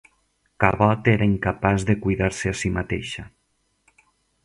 Cabot era incapaç de cuidar-se a sí mateixa.